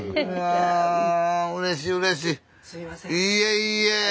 いえいえ。